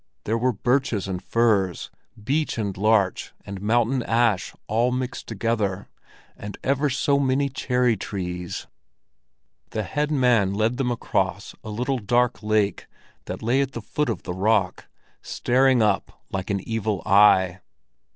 There were birches and firs, beech and larch and mountain ash all mixed together, and ever so many cherry trees. The head man lead them across a little, dark lake that lay at the foot of the rock, staring up like an evil eye.